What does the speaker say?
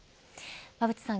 馬渕さん